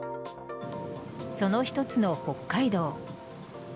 その一つの北海道。